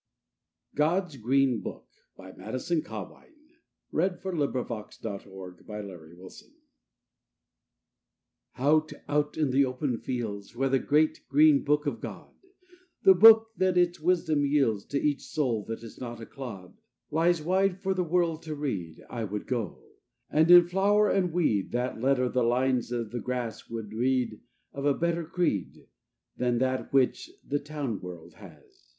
s the voice, so it seemed to me, Of Earth's primordial mystery. GOD'S GREEN BOOK I Out, out in the open fields, Where the great, green book of God, The book that its wisdom yields To each soul that is not a clod, Lies wide for the world to read, I would go; and in flower and weed, That letter the lines of the grass, Would read of a better creed Than that which the town world has.